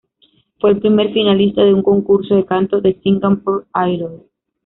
Fue el primer finalista de un concurso de canto de "Singapore Idol".